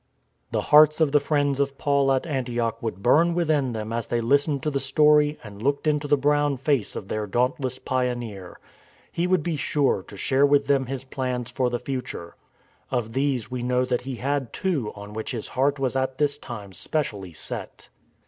^ The hearts of the friends of Paul at Antioch would burn within them as they listened to the story and looked into the brown face of their dauntless pioneer. He would be sure to share with them his plans for the future. Of these we know that he had two on which his heart was at this time specially set.